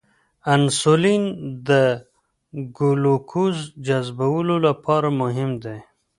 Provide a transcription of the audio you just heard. انسولین د ګلوکوز جذبولو لپاره مهم دی.